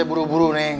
eh abah baru buru nih